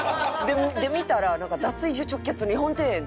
で見たら「脱衣所直結日本庭園」って。